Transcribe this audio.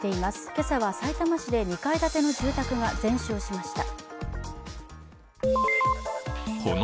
今朝はさいたま市で２階建ての住宅が全焼しました。